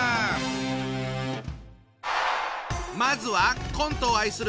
まずはコントを愛する